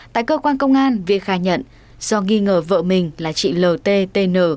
tại cơ quan công an viên khai nhận do nghi ngờ vợ mình là chị l t t n